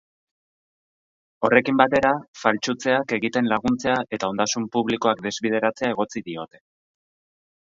Horrekin batera, faltsutzeak egiten laguntzea eta ondasun publikoak desbideratzea egotzi diote.